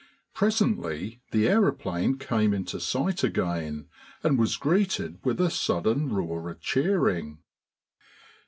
Presently the aeroplane came into sight again and was greeted with a sudden roar of cheering.